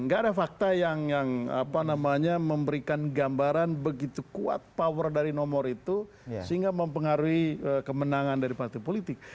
gak ada fakta yang memberikan gambaran begitu kuat power dari nomor itu sehingga mempengaruhi kemenangan dari partai politik